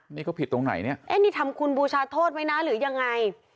นี่เขาผิดตรงไหนเนี่ยเอ๊ะนี่ทำคุณบูชาโทษไว้นะหรือยังไง